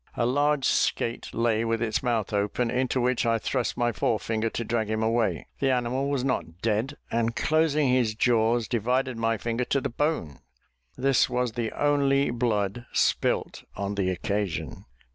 A large skait lay with its mouth open, into which I thrust my fore finger, to drag him away; the animal was not dead, and closing his jaws, divided my finger to the bone this was the only blood spilt on the occasion.